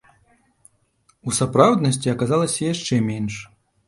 У сапраўднасці аказалася яшчэ менш.